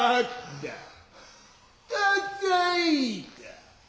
たたいた。